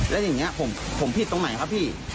แล้วอย่างนี้ผมผิดตรงไหนครับพี่